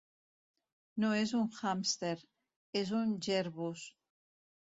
No és un hàmster, és un jerbus.